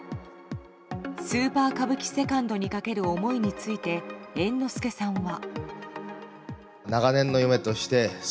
「スーパー歌舞伎２」にかける思いについて猿之助さんは。